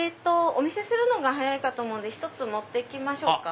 お見せするのが早いかと思うんで１つ持って来ましょうか。